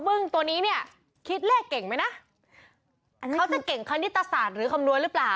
บึ้งตัวนี้เนี่ยคิดเลขเก่งไหมนะเขาจะเก่งคณิตศาสตร์หรือคำนวณหรือเปล่า